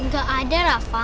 gak ada rafa